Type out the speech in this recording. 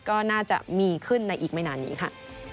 ก็น่าจะมีขึ้นในอีกไม่นานนี้ค่ะ